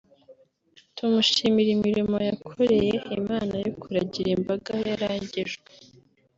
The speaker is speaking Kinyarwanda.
tumushimira imirimo yakoreye imana yo kuragira imbaga yaragijwe